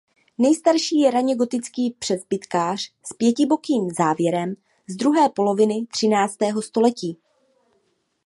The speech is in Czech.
Nejstarší je raně gotický presbytář s pětibokým závěrem z druhé poloviny třináctého století.